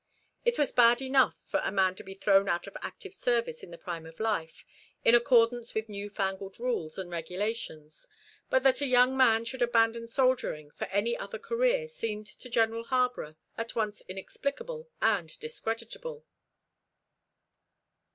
It was bad enough for a man to be thrown out of active service in the prime of life, in accordance with new fangled rules and regulations; but that a young man should abandon soldiering for any other career seemed to General Harborough at once inexplicable and discreditable.